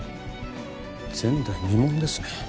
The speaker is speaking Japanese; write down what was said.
前代未聞ですね。